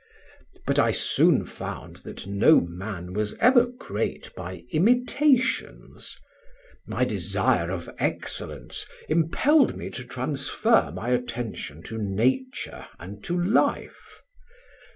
But I soon found that no man was ever great by imitations. My desire of excellence impelled me to transfer my attention to nature and to life.